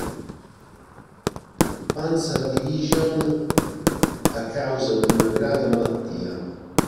Panzerdivision a causa di una grave malattia.